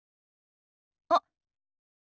あっ。